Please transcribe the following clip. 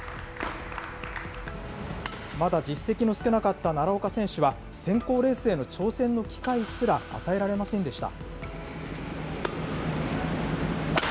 まだ実績の少なかった奈良岡選手は、選考レースへの挑戦の機会すら与えられませんでした。